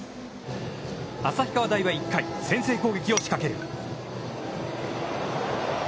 旭川大は１回、先制攻撃を仕掛ける。